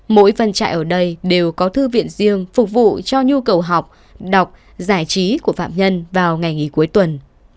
mỗi văn trại ở đây đều có thư viện riêng phục vụ cho nhu cầu học đọc giải trí của phạm nhân vào ngày nghỉ cuối tuần